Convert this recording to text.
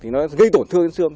nó gây tổn thương trên xương